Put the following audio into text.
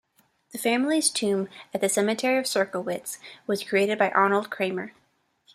The family's tomb at the cemetery of Serkowitz was created by Arnold Kramer.